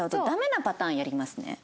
ダメなパターンやりますね。